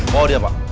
bawa dia pak